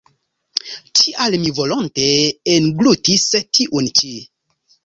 Tial mi volonte englutis tiun ĉi.